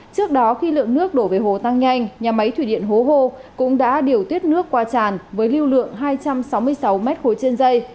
trước đó khi lượng nước đổ về hồ tăng nhanh nhà máy thủy điện hố hô cũng đã điều tiết nước qua tràn với lưu lượng hai trăm sáu mươi sáu m ba trên dây